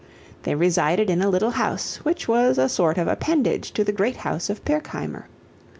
They resided in a little house which was a sort of appendage to the great house of Pirkheimer.